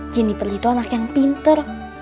jenniper itu anak yang pinter